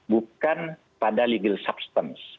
bukan pada legal substance